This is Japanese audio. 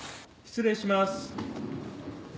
失礼します。